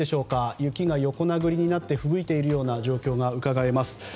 雪が横殴りになってふぶいているような状況がうかがえます。